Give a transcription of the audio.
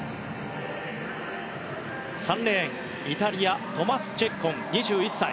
３レーン、イタリアトマス・チェッコン、２１歳。